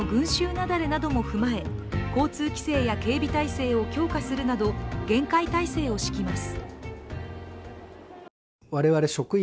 雪崩なども踏まえ交通規制や警備態勢を強化するなど厳戒態勢を敷きます。